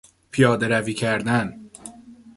پیادهروی کردن